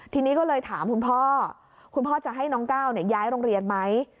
ทีนี้ก็เลยถามคุณพ่อคุณพ่อจะให้น้องก้าวย้ายโรงเรียนไหม